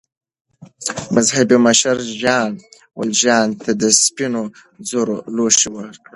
مذهبي مشر ژان والژان ته د سپینو زرو لوښي ورکړل.